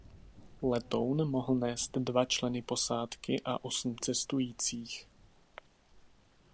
Letoun mohl nést dva členy posádky a osm cestujících.